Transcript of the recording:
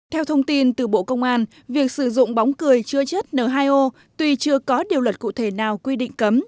theo thông tin từ bộ công an việc sử dụng bóng cười chứa chất n hai o tuy chưa có điều luật cụ thể nào quy định cấm